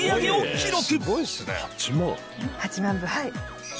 ８万部はい。